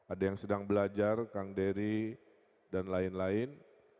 ada yang sedang belajar kang dery dan lain lain